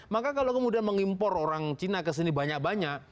maka kalau kemudian mengimpor orang cina kesini banyak banyak